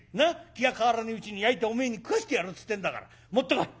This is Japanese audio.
気が変わらねえうちに焼いておめえに食わしてやるっつってんだから持ってこい。